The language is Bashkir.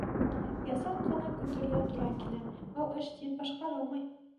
— Һеҙгә саҡ ҡына көтөргә тура килер, был эш тиҙ башҡарылмай.